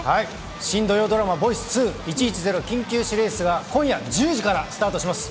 新土曜ドラマ、ボイス２・１１０緊急指令室が、今夜１０時からスタートします。